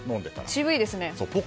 渋いですね。